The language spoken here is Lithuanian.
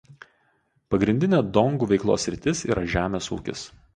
Pagrindinė dongų veiklos sritis yra žemės ūkis.